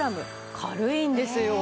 軽いんですよ。